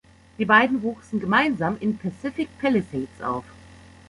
Die beiden wuchsen gemeinsam in Pacific Palisades auf.